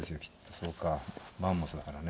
そうかマンモスだからね。